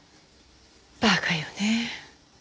馬鹿よねえ。